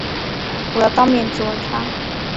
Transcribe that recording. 我要当面质问他